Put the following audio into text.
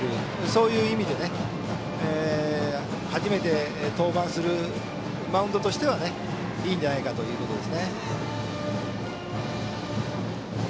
そういう意味で初めて登板するマウンドとしてはいいんじゃないかということですね。